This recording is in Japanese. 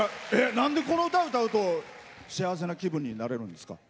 なんで、この歌を歌うと幸せな気分になれるんですか？